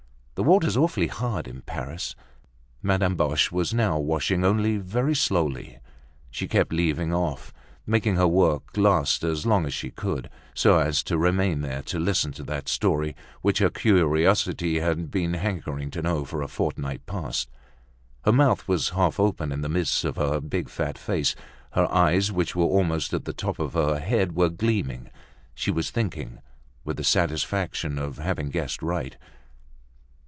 "The water's awfully hard in Paris." Madame Boche was now washing only very slowly. She kept leaving off, making her work last as long as she could, so as to remain there, to listen to that story, which her curiosity had been hankering to know for a fortnight past. Her mouth was half open in the midst of her big, fat face; her eyes, which were almost at the top of her head, were gleaming. She was thinking, with the satisfaction of having guessed right.